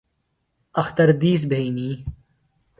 اختر دِیس بھئنی۔